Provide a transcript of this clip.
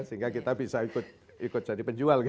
sehingga kita bisa ikut ikut jadi penjual gitu ya